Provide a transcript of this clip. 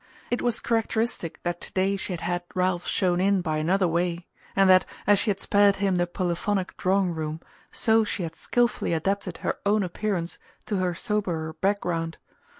It was characteristic that to day she had had Ralph shown in by another way; and that, as she had spared him the polyphonic drawing room, so she had skilfully adapted her own appearance to her soberer background.